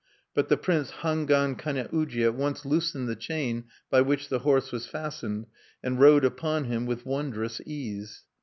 But the Prince Hangwan Kane uji at once loosened the chain by which the horse was fastened, and rode upon him with wondrous ease.